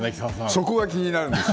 そこが気になるんですよ。